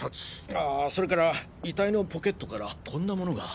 ああそれから遺体のポケットからこんな物が。